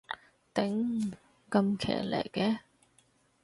頂，咁騎呢嘅